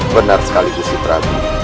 benar sekali gusiparabu